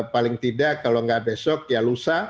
paling tidak kalau nggak besok ya lusa